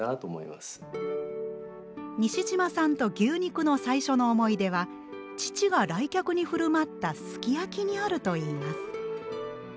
西島さんと牛肉の最初の思い出は父が来客に振る舞ったすき焼きにあるといいます。